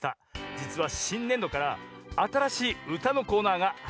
じつはしんねんどからあたらしいうたのコーナーがはじまるんですねぇ。